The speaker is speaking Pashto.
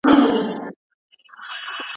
په انګلستان کي هم کله ناکله دا ستونزه وي.